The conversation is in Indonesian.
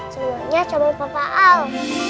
semuanya cuma papa al